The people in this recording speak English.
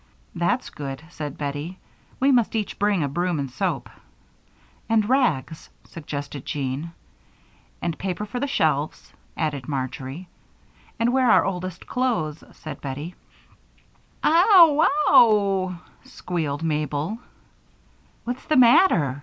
"That's good," said Bettie. "We must each bring a broom, and soap " "And rags," suggested Jean. "And papers for the shelves," added Marjory. "And wear our oldest clothes," said Bettie. "Oo ow, wow!" squealed Mabel. "What's the matter?"